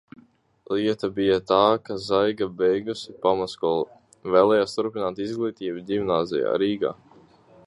Lieta bija tā, ka Zaiga beigusi pamatskolu, vēlējās turpināt izglītību ģimnāzijā – Rīgā.